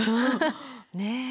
ねえ。